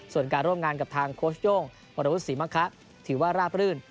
ส่วนการร่วมงานกับทางโค้ชโย่งวรวุฒิศรีมะคะถือว่าราบรื่น